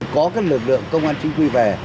có các lực lượng công an chính quy về